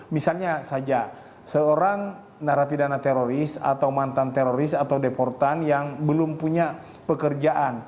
misalnya saja seorang narapidana teroris atau mantan teroris atau deportan yang belum punya pekerjaan